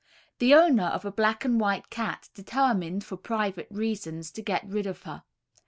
The owner of a black and white cat determined, for private reasons, to get rid of her.